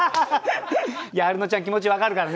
アルノちゃん気持ち分かるからね。